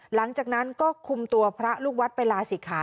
หลังจากนั้นก็คุมตัวพระลูกวัดไปลาศิกขา